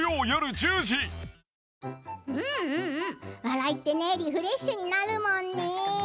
笑いってリフレッシュになるもんね。